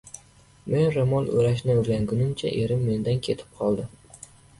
• Men ro‘mol o‘rashni o‘rgangunimcha erim mendan ketib qoldi.